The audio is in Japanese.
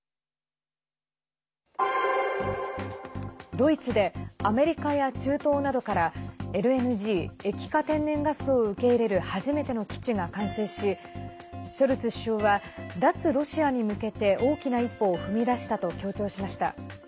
ドイツでアメリカや中東などからＬＮＧ＝液化天然ガスを受け入れる初めての基地が完成しショルツ首相は脱ロシアに向けて大きな一歩を踏み出したと強調しました。